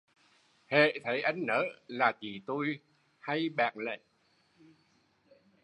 Hễ thấy anh nớ là chị tui hay bẽn lẽn